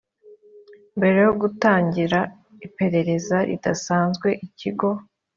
mbere yo gutangira iperereza ridasanzwe ikigo